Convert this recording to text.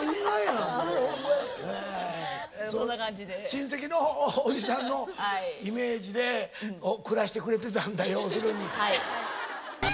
親戚のおじさんのイメージで暮らしてくれてたんだ要するに。